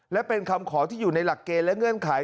และเป็นคำขอที่อยู่ในหลักเกณฑ์และเงื่อนไข